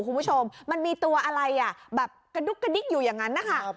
คุณผู้ชมมันมีตัวอะไรอ่ะแบบกระดุ๊กกระดิ๊กอยู่อย่างนั้นนะคะ